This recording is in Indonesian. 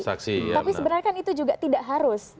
tapi sebenarnya kan itu juga tidak harus